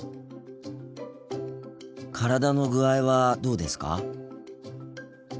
体の具合はどうですか？